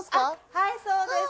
はいそうです。